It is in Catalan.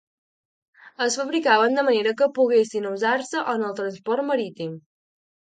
Es fabricaven de manera que poguessin usar-se en el transport marítim.